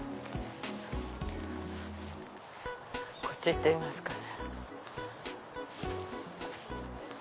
こっち行ってみますかね。